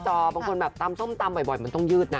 หน้าจอบางคนตำส้มตำบ่อยมันต้องยืดนะ